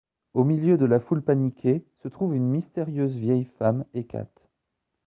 Au milieu de la foule paniquée, se trouve une mystérieuse vieille femme, Hecate.